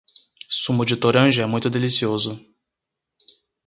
Sumo de toranja é muito delicioso